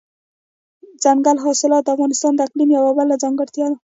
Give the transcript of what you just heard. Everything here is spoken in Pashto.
دځنګل حاصلات د افغانستان د اقلیم یوه بله ځانګړتیا ده.